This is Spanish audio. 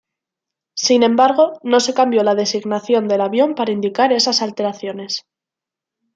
Sin embargo no se cambió la designación del avión para indicar esas alteraciones.